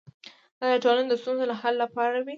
دا د ټولنې د ستونزو د حل لپاره وي.